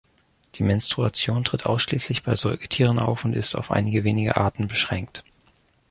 Die Menstruation tritt ausschließlich bei Säugetieren auf und ist auf einige wenige Arten beschränkt.